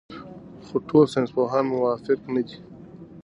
خو ټول ساینسپوهان موافق نه دي.